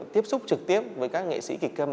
tiếp xúc trực tiếp với các nghệ sĩ kỳ câm